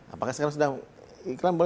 apakah sekarang sudah iklan